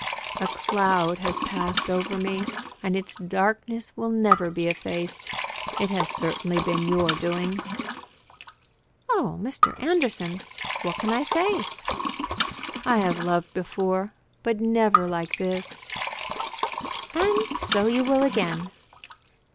"A cloud has passed over me, and its darkness will never be effaced. It has certainly been your doing." "Oh, Mr. Anderson! what can I say?" "I have loved before, but never like this." "And so you will again."